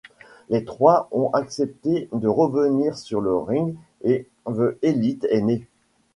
Les trois ont accepté de revenir sur le ring et The Elite est née.